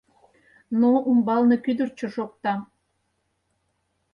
Ну, умбалне кӱдырчӧ шокта.